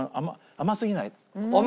甘すぎない。